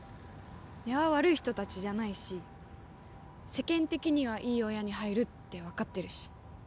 根は悪い人たちじゃないし世間的にはいい親に入るって分かってるし。